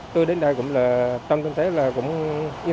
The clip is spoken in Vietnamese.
tôi đến đây cũng yên tâm không có vấn đề gì xảy ra